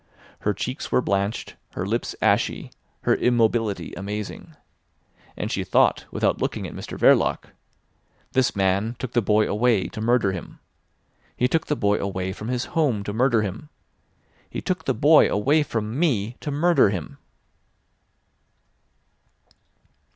Her cheeks were blanched, her lips ashy, her immobility amazing. And she thought without looking at Mr Verloc: "This man took the boy away to murder him. He took the boy away from his home to murder him. He took the boy away from me to murder him!"